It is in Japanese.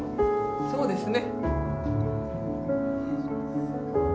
そうですね。